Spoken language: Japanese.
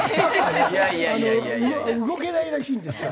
動けないらしいんですが。